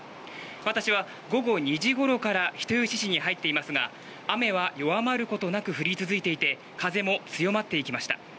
私は午後２時ごろから人吉市に入っていますが雨は弱まることなく降り続いていて風も強まっていきました。